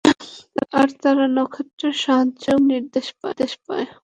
আর তারা নক্ষত্রের সাহায্যেও পথের নির্দেশ পায়।